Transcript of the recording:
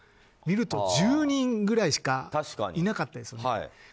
見ると１０人ぐらいしかいなかったですよね。